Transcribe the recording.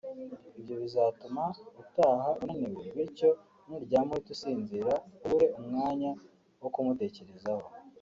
ibyo bizatuma utaha unaniwe bityo nuryama uhite usinzira ubure umwanya wo kumutekerezaho